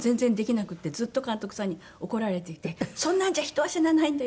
「そんなんじゃ人は死なないんだよ！」